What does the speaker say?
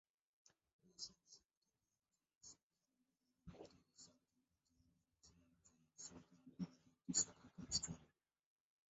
এসব সুবিধা দেয়ার জন্য সরকারের আলাদা একটি হিসাব থাকে যা দেখাশোনার জন্য সরকারের আলাদা একটি শাখা কাজ করে।